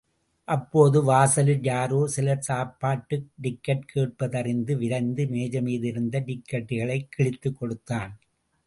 அப்போது, வாசலில் யாரோ சிலர் சாப்பாட்டு டிக்கட் கேட்பதறிந்து விரைந்து, மேஜை மீதிருந்த டிக்கட்டுகளைக் கிழித்துக் கொடுத்தான்.